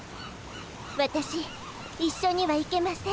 わたし一緒には行けません。